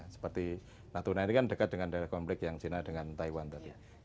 seperti natuna ini kan dekat dengan daerah konflik yang china dengan taiwan tadi